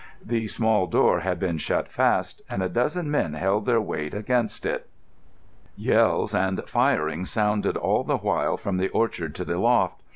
The small door had been shut fast, and a dozen men held their weight against it. Yells and firing sounded all the while from the orchard to the loft.